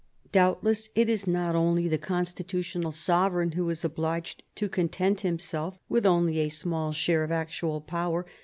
Doubtless it is not only the constitutional sovereign who is obliged to content himsuif with only a small share of actual power.